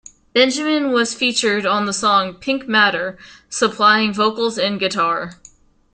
Benjamin was featured on the song "Pink Matter," supplying vocals and guitar.